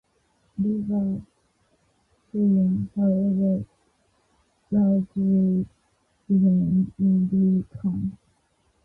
River faring, however, largely remained in Greek hands.